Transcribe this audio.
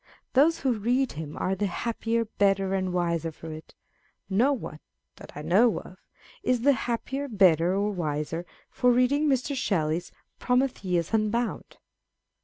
Those who read him are the happier, better, and wiser for it. No one (that I know of) is the happier, better, or wiser for read ing Mr. Shelley's Prometheus Unbound.